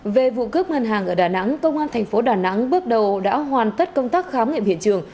về vụ cướp ngân hàng ở đà nẵng công an thành phố đà nẵng bước đầu đã hoàn tất công tác khám nghiệm hiện trường